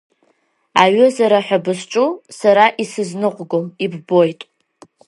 Аҩызара ҳәа бызҿу сара исызныҟәгом, иббоит.